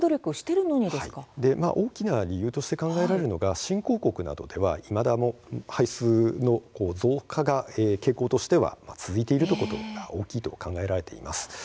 大きな理由として考えられるのが新興国などではいまだ排出の増加が傾向として続いているということが大きいと考えられています。